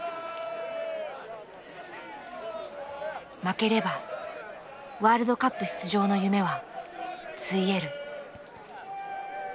負ければワールドカップ出場の夢はついえる。